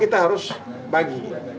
kita harus bagi